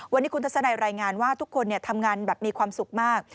วันนี้คุณทัศนัยรายงานว่าทุกคนทำงานแบบมีความสุขมาก